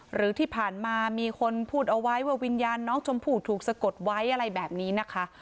หรือที่ผ่านมามีคนพูดเอาไว้ว่าวิญญาณน้องชมพู่ถูกสะกดไว้อะไรแบบนี้นะคะ